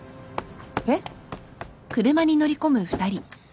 えっ？